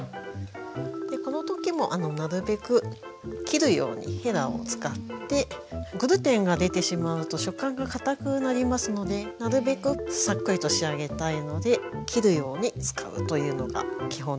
この時もなるべく切るようにへらを使ってグルテンが出てしまうと食感がかたくなりますのでなるべくサックリと仕上げたいので切るように使うというのが基本ですね。